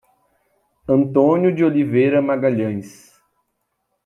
Antônio de Oliveira Magalhaes